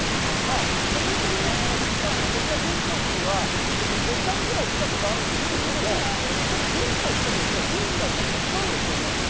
個人的に実はこちら、善光寺には５回ぐらい来たことがあるんですけど、ちょっと前回来たときと雰囲気がちょっと違うんですよね。